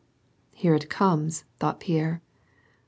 •" Here it comes," thought Pierre.